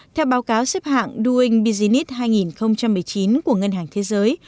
theo báo cáo xếp hạng doing business hai nghìn một mươi chín của ngân hàng thế giới